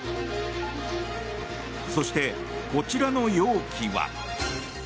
そして、こちらの容器は。